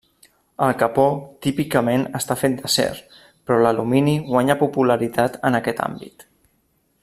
El capó típicament està fet d'acer, però l'alumini guanya popularitat en aquest àmbit.